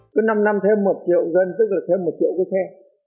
cứ năm năm thêm một triệu dân tức là thêm một triệu cái xe